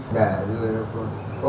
dạ rồi được rồi